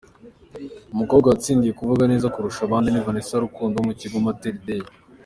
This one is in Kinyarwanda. Umukobwa watsindiye kuvuga neza kurusha abandi ni Vanessa Rukundo wo ku kigo Matter Day.